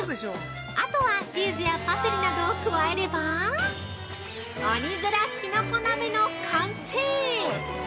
あとは、チーズやパセリなどを加えればオニグラきのこ鍋の完成！